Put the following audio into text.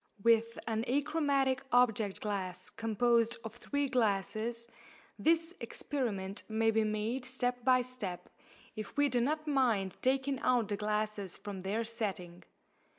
With an achromatic object glass composed of three glasses, this experiment may be made step by step, if we do not mind taking out the glasses from their setting.